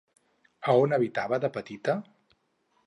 A on habitava de petita?